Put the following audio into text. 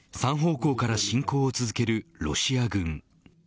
３方向から侵攻を続けるロシア軍。